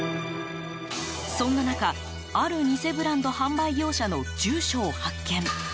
そんな中ある偽ブランド販売業者の住所を発見。